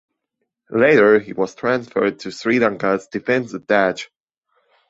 Later he was transferred to Sri Lanka as Defence Attache.